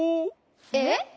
えっ？